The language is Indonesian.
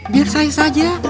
biar saya saja